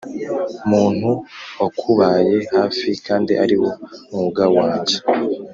muntu wakubaye hafi kandi ariwo mwuga wanjye,